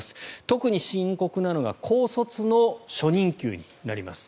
特に深刻なのが高卒の初任給になります。